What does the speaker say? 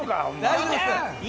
大丈夫です。